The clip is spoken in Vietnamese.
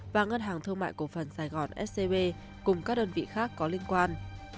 và ngân hàng thương mại cổ phần sài gòn scb cùng các đơn vị khác có liên quan